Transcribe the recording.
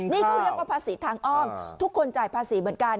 นี่เขาเรียกว่าภาษีทางอ้อมทุกคนจ่ายภาษีเหมือนกัน